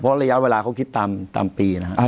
เพราะระยะเวลาเขาคิดตามปีนะครับ